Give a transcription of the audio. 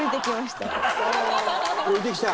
降りてきた？